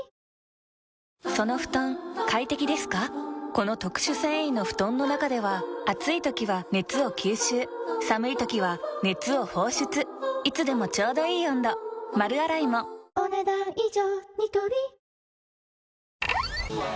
この特殊繊維の布団の中では暑い時は熱を吸収寒い時は熱を放出いつでもちょうどいい温度丸洗いもお、ねだん以上。